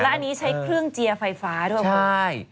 อันนี้ใช้เครื่องเจียร์ไฟฟ้าด้วยคุณ